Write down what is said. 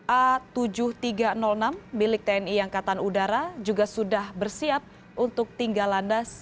a tujuh ribu tiga ratus enam milik tni angkatan udara juga sudah bersiap untuk tinggal landas